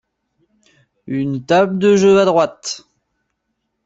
Une table de jeu à droite.